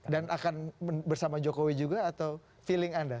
dan akan bersama jokowi juga atau feeling anda